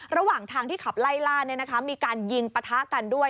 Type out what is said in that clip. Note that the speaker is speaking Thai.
ระหว่างทางที่ขับไล่ล่ามีการยิงปะทะกันด้วย